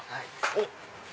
おっ！